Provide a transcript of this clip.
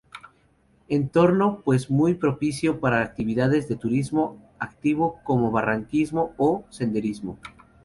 Entorno pues muy propicio para actividades de turismo activo como barranquismo o senderismo.